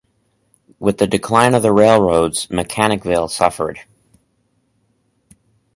With the decline of the railroads, Mechanicville suffered.